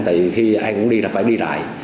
tại khi ai cũng đi là phải đi lại